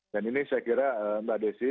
dan ini saya kira mbak desi